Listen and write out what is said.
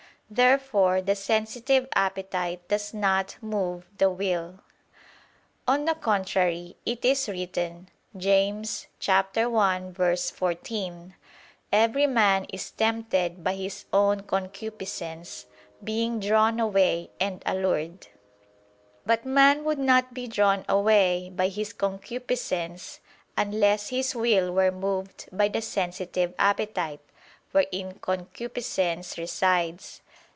Therefore the sensitive appetite does not move the will. On the contrary, It is written (James 1:14): "Every man is tempted by his own concupiscence, being drawn away and allured." But man would not be drawn away by his concupiscence, unless his will were moved by the sensitive appetite, wherein concupiscence resides.